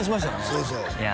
そうそういや